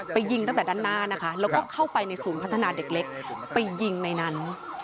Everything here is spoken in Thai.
ไปยิงตั้งแต่ด้านหน้าแล้วเข้าไปในศูนย์พัฒนาเขาไปยิงในนั้น